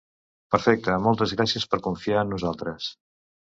Perfecte, moltes gràcies per confiar en nosaltres.